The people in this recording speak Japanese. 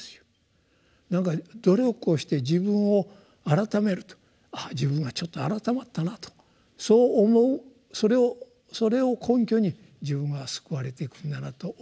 努力をして自分を改めると自分はちょっと改まったなとそう思うそれを根拠に自分は救われていくんだなと思いたい人もいるわけですね。